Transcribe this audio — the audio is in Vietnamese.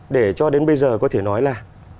để cho đến bây giờ có thể nói là